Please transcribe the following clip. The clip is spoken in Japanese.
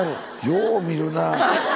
よう見るなあ。